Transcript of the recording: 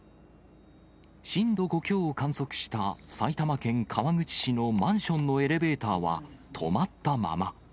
震度５強を観測した埼玉県川口市のマンションのエレベーターは止まったまま。